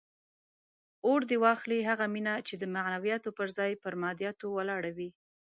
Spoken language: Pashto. اور دې واخلي هغه مینه چې د معنویاتو پر ځای پر مادیاتو ولاړه وي.